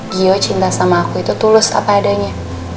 gio cinta sama aku itu tulus apa adanya